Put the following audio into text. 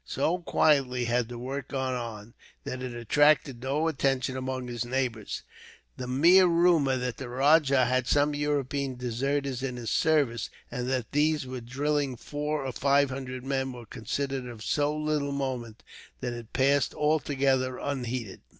So quietly had the work gone on, that it attracted no attention among his neighbours. The mere rumour that the rajah had some European deserters in his service, and that these were drilling four or five hundred men, was considered of so little moment that it passed altogether unheeded.